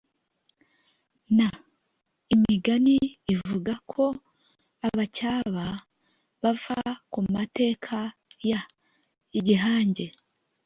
n imigani bivuga ko abacyaba bava ku mateka y igihange